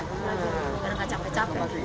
karena nggak capek capek